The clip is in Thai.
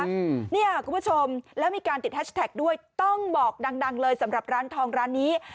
อืมเนี่ยคุณผู้ชมแล้วมีการติดแฮชแท็กด้วยต้องบอกดังดังเลยสำหรับร้านทองร้านนี้